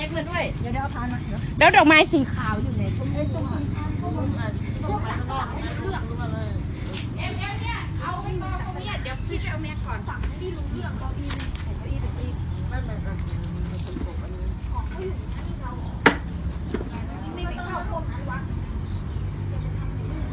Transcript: กูเป็นเด็กน่ะยังรู้เลยอืมเขาบอกเขาบอกว่าไม่ใช่มันก็ไม่ใช่เป็นคนทำ